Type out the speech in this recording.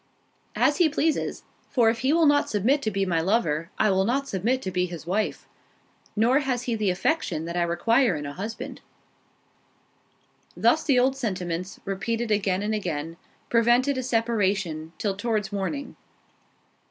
"As he pleases—for if he will not submit to be my lover, I will not submit to be his wife—nor has he the affection that I require in a husband." Thus the old sentiments, repeated again and again, prevented a separation till towards morning.